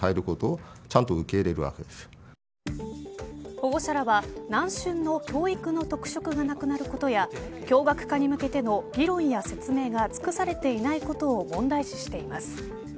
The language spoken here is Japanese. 保護者らは楠隼の教育の特色がなくなることや共学化に向けての議論や説明が尽くされていないことを問題視しています。